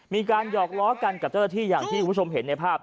หยอกล้อกันกับเจ้าหน้าที่อย่างที่คุณผู้ชมเห็นในภาพ